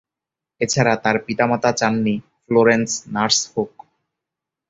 এছাড়া তার পিতা-মাতা চাননি ফ্লোরেন্স নার্স হোক।